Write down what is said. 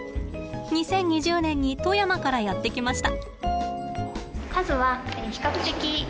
２０２０年に富山からやって来ました。